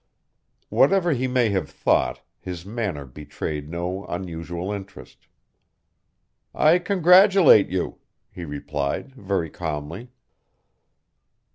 Whatever he may have thought, his manner betrayed no unusual interest. "I congratulate you," he replied very calmly.